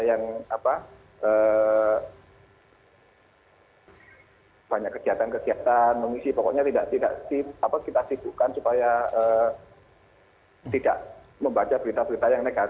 yang banyak kegiatan kegiatan mengisi pokoknya tidak kita sibukkan supaya tidak membaca berita berita yang negatif